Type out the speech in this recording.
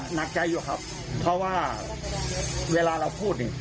หนักใจอยู่ครับเพราะว่าเวลาเราพูดเนี่ย